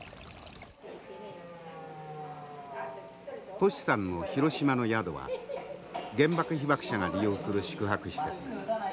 トシさんの広島の宿は原爆被爆者が利用する宿泊施設です。